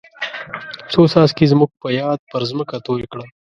څو څاڅکي زموږ په یاد پر ځمکه توی کړه.